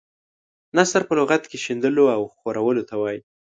نثر په لغت کې شیندلو او خورولو ته وايي.